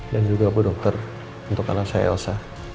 dan juga bu dokter untuk anak saya elsa